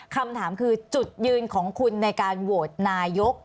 คำถามคือจุดยืนของคุณในการโหวตนายก